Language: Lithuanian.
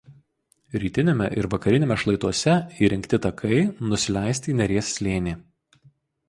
Rytiniame ir vakariniame šlaituose įrengti takai nusileisti į Neries slėnį.